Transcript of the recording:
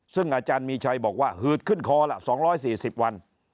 ซึ่งอาจารย์มีชัยบอกว่าหืดขึ้นคอละ๒๔๐วัน